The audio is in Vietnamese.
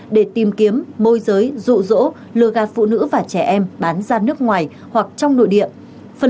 để tìm kiếm môi giới rụ rỗ lừa gạt phụ nữ và trẻ em bán ra nước ngoài hoặc trong nội địa